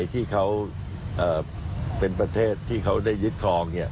ที่เขาเป็นประเทศที่เขาได้ยึดครอง